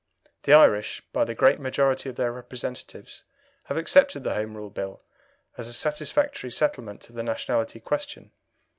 The Irish, by the great majority of their representatives, have accepted the Home Rule Bill as a satisfactory settlement of the nationality question.